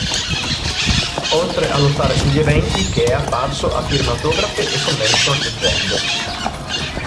Oltre a lottare sugli eventi che è apparso a firme autografe e convention leggende.